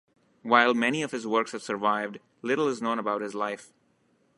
While many of his works have survived, little is known about his life.